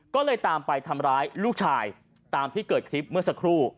ก็เลยตามไปทำร้ายลูกชายตามที่เกิดคลิปเมื่อสักครู่